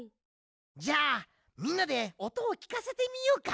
じゃあみんなでおとをきかせてみようか。